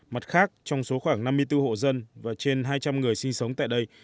mặt khác trong số khoảng năm mươi bốn hộ dân và trên hai trăm linh người sinh sống tại đây